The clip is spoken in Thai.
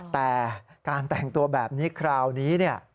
แต่การแต่งตัวแบบนี้คราวนี้เนี่ย